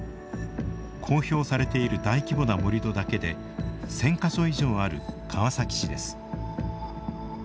公表されている大規模な盛土だけで１，０００か所以上ある川崎市です。